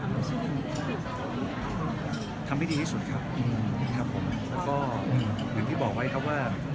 ทำคิดที่ดีทำคิดดีที่ดีให้สุดครับแล้วก็เหมือนมาตรงเป็นครับว่า